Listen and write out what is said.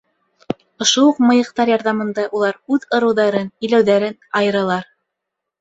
Ошо уҡ мыйыҡтар ярҙамында улар үҙ ырыуҙарын, иләүҙәрен айыралар.